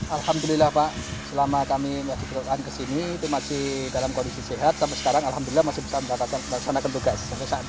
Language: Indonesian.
alhamdulillah pak selama kami masih kesini itu masih dalam kondisi sehat sampai sekarang alhamdulillah masih bersanakan tugas